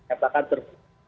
yang ditutup yang ditutup